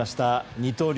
二刀流